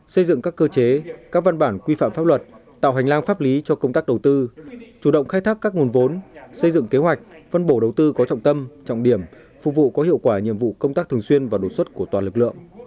xây dựng các cơ chế các văn bản quy phạm pháp luật tạo hành lang pháp lý cho công tác đầu tư chủ động khai thác các nguồn vốn xây dựng kế hoạch phân bổ đầu tư có trọng tâm trọng điểm phục vụ có hiệu quả nhiệm vụ công tác thường xuyên và đột xuất của toàn lực lượng